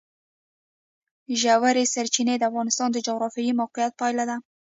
ژورې سرچینې د افغانستان د جغرافیایي موقیعت پایله ده.